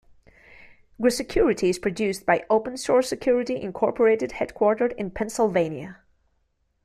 Grsecurity is produced by Open Source Security, Incorporated headquartered in Pennsylvania.